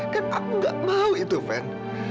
dan aku tidak mau itu fen